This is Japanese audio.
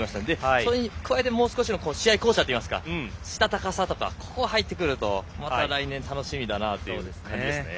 それに加えて試合巧者といいますかしたたかさなどが入ってくるとまた来年、楽しみだなという感じですね。